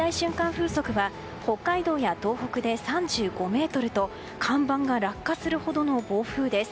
風速は北海道や東北で３５メートルと看板が落下するほどの暴風です。